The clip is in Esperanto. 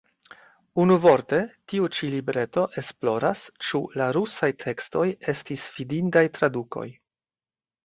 Unuvorte, tiu ĉi libreto esploras, ĉu la rusaj tekstoj estis fidindaj tradukoj.